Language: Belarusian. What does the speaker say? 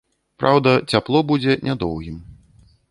Праўда, цяпло будзе нядоўгім.